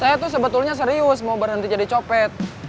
saya tuh sebetulnya serius mau berhenti jadi copet